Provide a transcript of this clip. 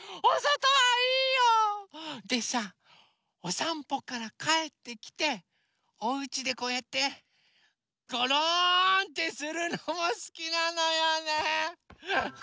おそとはいいよ。でさおさんぽからかえってきておうちでこうやってごろんってするのもすきなのよね。